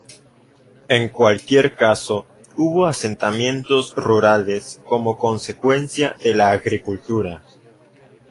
En cualquier caso, hubo asentamientos rurales como consecuencia de la agricultura.